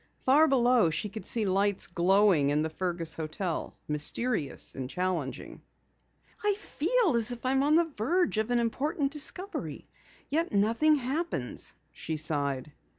Far below she could see lights glowing in the Fergus hotel, mysterious and challenging. "I feel as if I'm on the verge of an important discovery, yet nothing happens," she sighed.